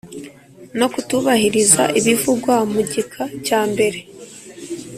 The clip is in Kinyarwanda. no kutubahiriza ibivugwa mu gika cya mbere